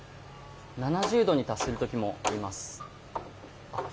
７０度に達する時もあります。